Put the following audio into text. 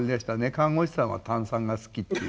看護師さんは炭酸が好きっていう。